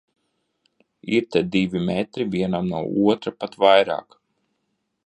Ir te divi metri vienam no otra, pat vairāk.